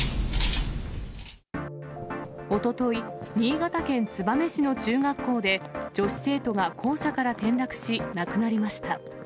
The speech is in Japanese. おととい、新潟県燕市の中学校で、女子生徒が校舎から転落し、亡くなりました。